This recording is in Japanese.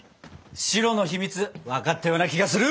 白の秘密分かったような気がする！